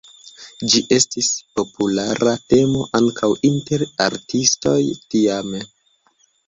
Ĝi estis populara temo ankaŭ inter artistoj tiame.